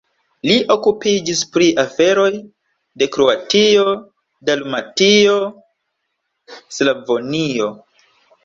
Li okupiĝis pri aferoj de Kroatio-Dalmatio-Slavonio.